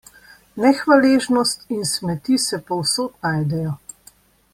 Nehvaležnost in smeti se povsod najdejo.